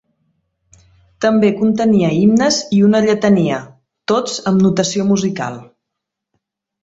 També contenia himnes i una lletania, tots amb notació musical.